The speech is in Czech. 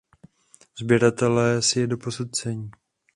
Sběratelé si je dosud cení.